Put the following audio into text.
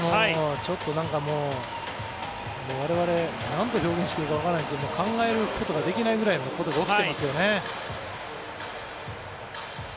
ちょっと我々なんと表現していいかわからない考えることができないぐらいのことが起きていますよね。